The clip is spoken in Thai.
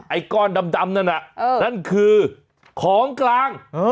ไอ้ก้อนดำนั่นน่ะนั่นคือของกลาง